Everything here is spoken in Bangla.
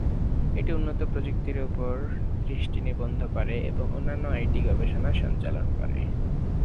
এটি উন্নত প্রযুক্তির উপর দৃষ্টি নিবদ্ধ করে এবং অন্যান্য আইটি গবেষণা সঞ্চালন করে।